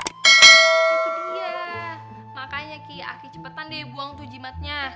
itu dia makanya ki aki cepetan deh buang tuh jimatnya